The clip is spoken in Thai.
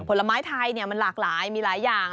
ผลไม้ไทยมันหลากหลายมีหลายอย่าง